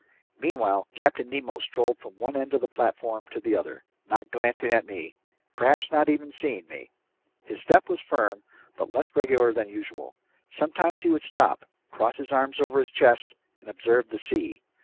Meanwhile Captain Nemo strolled from one end of the platform to the other, not glancing at me, perhaps not even seeing me. His step was firm but less regular than usual. Sometimes he would stop, cross his arms over his chest, and observe the sea.